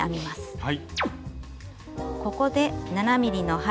はい。